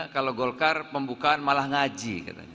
kalau golkar pembukaan malah ngaji katanya